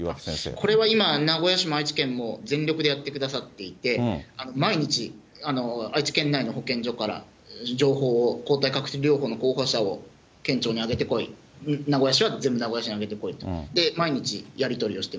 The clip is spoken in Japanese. これは今、名古屋市も愛知県も全力でやってくださっていて、毎日、愛知県内の保健所から情報を抗体カクテル療法の候補者を県庁に挙げてこい、名古屋市は全部名古屋市に上げてこいと、毎日やり取りをして